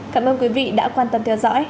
cảm ơn quý vị đã quan tâm theo dõi